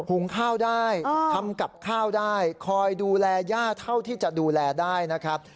หุงข้าวได้ทำกับข้าวได้คอยดูแลย่าเท่าที่จะดูแลได้นะครับ